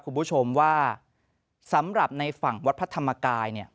คุณผู้ชมว่าสำหรับในฝั่งวัดพระธรรมกายเนี่ย